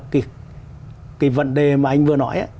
cái vấn đề mà anh vừa nói